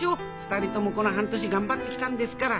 ２人ともこの半年頑張ってきたんですから